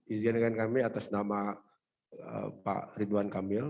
izin dengan kami atas nama pak ridwan kamil